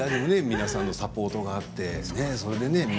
皆さんのサポートがあってね